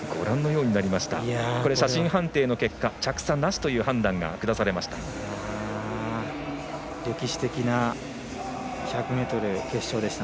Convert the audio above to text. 写真判定の結果着差なしという判断がくだされました。